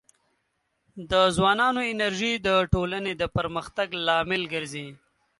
د ځوانانو انرژي د ټولنې د پرمختګ لامل ګرځي.